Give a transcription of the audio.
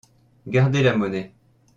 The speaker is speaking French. Gardez la monnaie.